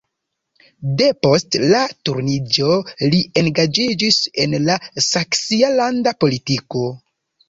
De post la Turniĝo li engaĝiĝis en la saksia landa politiko.